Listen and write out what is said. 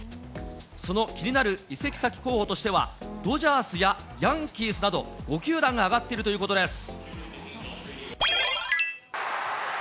その気になる移籍先候補としては、ドジャースやヤンキースなど、５球団が挙がっているということです。